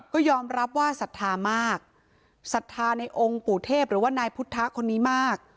ก็ยอมรับว่าศรัทธามากศรัทธาในองค์ปู่เทพหรือว่านายพุทธคนนี้มาก